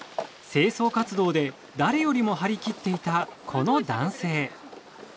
清掃活動で誰よりも張りきっていたこの男性。